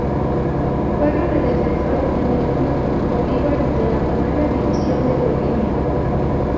Juega de defensor en el Club Bolívar de la Primera División de Bolivia.